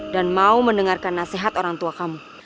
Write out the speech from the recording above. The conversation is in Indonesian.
dan mau mendengarkan nasihat orang tua kamu